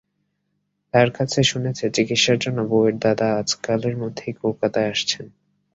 তার কাছে শুনেছে, চিকিৎসার জন্যে বউয়ের দাদা আজকালের মধ্যেই কলকাতায় আসছেন।